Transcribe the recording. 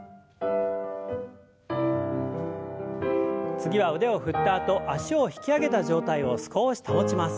次は腕を振ったあと脚を引き上げた状態を少し保ちます。